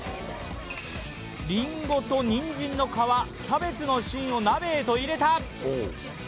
りんごとにんじんの皮、キャベツの芯を鍋へと入れた。